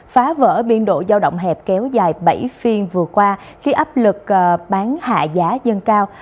phá vỡ biên độ giao động hẹp kéo dài bảy phiên vừa qua khi áp lực bán hạ giá dân cao